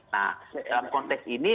nah dalam konteks ini